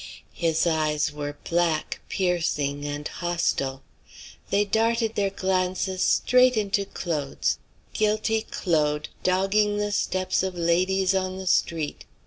His eyes were black, piercing, and hostile. They darted their glances straight into Claude's. Guilty Claude! dogging the steps of ladies on the street!